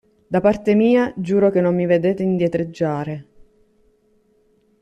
Da parte mia, giuro che non mi vedete indietreggiare.